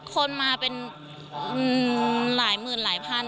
คนมาเป็นหลายหมื่นหลายพัน